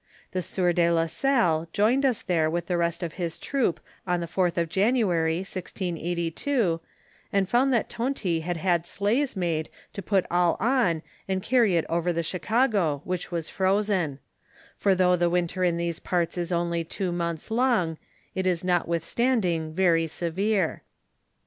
The sieur de la Salle joined us there with the rest of his troop on the 4th of January, 1682, and found that Tonty had had sleighs made to put all on and cany it over the Chicago which was frozen ; for though the winter in these parts is only two months long, it is notwithstanding very severe.